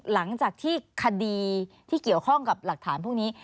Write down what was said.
หลังจากที่คดีที่เกี่ยวข้องกับหลักฐานพวกนี้